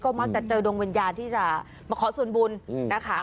มักจะเจอดวงวิญญาณที่จะมาขอส่วนบุญนะคะ